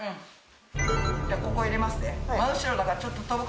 じゃあここ入れまっせ。